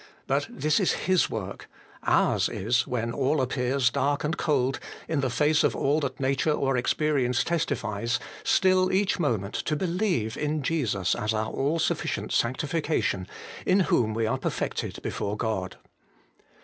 But this is His work: ours is, when all appears dark and cold, in the face of all that nature or experience testifies, still each moment to believe in Jesus as our all sufficient sanctification, in whom we are perfected before God.